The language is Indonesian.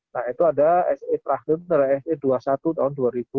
nah itu ada sa translator sa dua puluh satu tahun dua ribu dua puluh